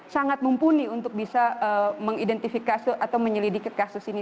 sangat mumpuni untuk bisa mengidentifikasi atau menyelidiki kasus ini